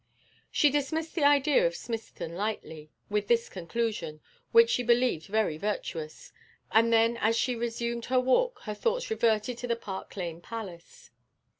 She dismissed the idea of Smithson lightly, with this conclusion, which she believed very virtuous; and then as she resumed her walk her thoughts reverted to the Park Lane Palace.